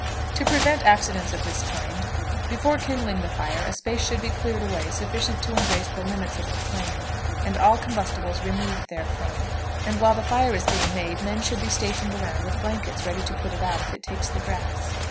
To prevent accidents of this kind, before kindling the fire a space should be cleared away sufficient to embrace the limits of the flame, and all combustibles removed therefrom, and while the fire is being made men should be stationed around with blankets ready to put it out if it takes the grass.